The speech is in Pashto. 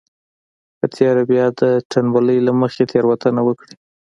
په تېره بيا د تنبلۍ له مخې تېروتنه وکړي.